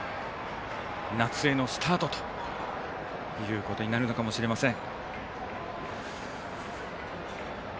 夏へのスタートということになるのかもしれません。